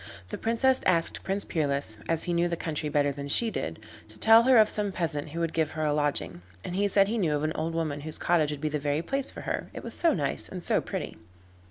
The Princess asked Prince Peerless, as he knew the country better than she did, to tell her of some peasant who would give her a lodging, and he said he knew of an old woman whose cottage would be the very place for her, it was so nice and so pretty.